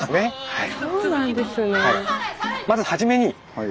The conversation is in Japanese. はい。